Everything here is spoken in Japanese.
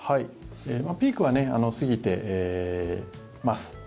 ピークは過ぎてます。